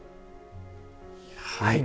はい！